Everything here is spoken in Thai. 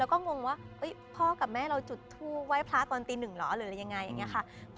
แล้วก็งงว่าพ่อกับแม่เราจุดทูปไหว้พระตอนตีหนึ่งเหรอหรืออะไรยังไงอย่างนี้ค่ะ